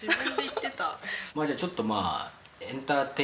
まあじゃあちょっとまあ。